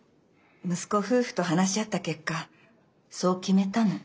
息子夫婦と話し合った結果そう決めたの。